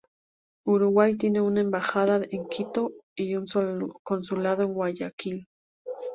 Uruguay tiene una embajada en Quito y un consulado en Guayaquil.